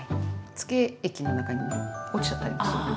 漬け液の中に落ちちゃったりもするので。